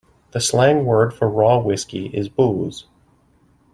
The slang word for raw whiskey is booze.